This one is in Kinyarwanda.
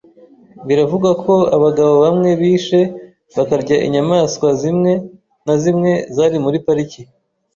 Biravugwa ko abagabo bamwe bishe bakarya inyamaswa zimwe na zimwe zari muri pariki.